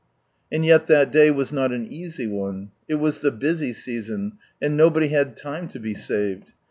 And yet that day was not an easy one. It was the busy season, and nobody had time lo be saved.